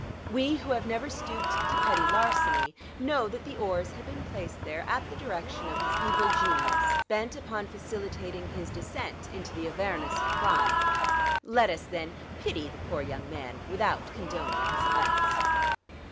We who have never stooped to petty larceny know that the oars had been placed there at the direction of his evil genius bent upon facilitating his descent into the avernus of crime. Let us, then, pity the poor young man without condoning his offense.